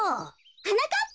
はなかっぱ。